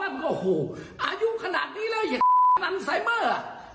อายุขนาดนี้เลยอย่านั้นไซเมอร์อ่ะ